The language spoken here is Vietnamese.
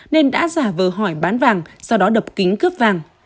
nên đã giả vờ hỏi bán vàng sau đó đập kính cướp vàng